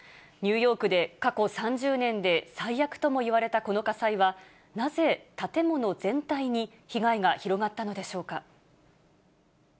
ニューヨークで過去３０年で、最悪ともいわれたこの火災は、なぜ建物全体に被害が広がったのでしょうか。